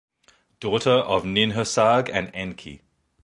Daughter of Ninhursag and Enki.